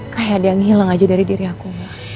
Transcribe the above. kayak ada yang hilang aja dari diri aku